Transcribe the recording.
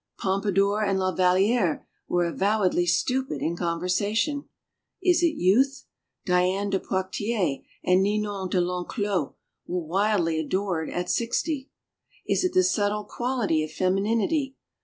Pompadour and La Valliere were avowedly stupid in conversation. Is it youth? Diane de Poictiers and Ninon de 1'Enclos were wildly adored at sixty. Is it the subtle quality of femininity?